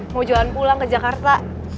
mau jalan pulang ke jakarta